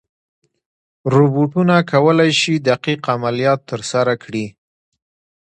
روبوټونه کولی شي دقیق عملیات ترسره کړي.